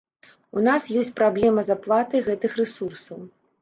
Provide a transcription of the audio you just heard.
У нас ёсць праблема з аплатай гэтых рэсурсаў.